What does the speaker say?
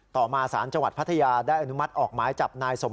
ต่อมาสารจังหวัดพัทยาได้อนุมัติออกหมายจับนายสม